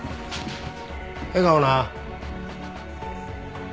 笑顔な。